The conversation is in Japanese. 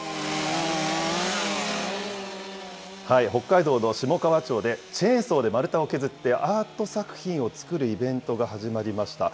北海道の下川町で、チェーンソーで丸太を削ってアート作品を作るイベントが始まりました。